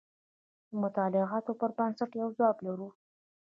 د مطالعاتو پر بنسټ یو ځواب لرو.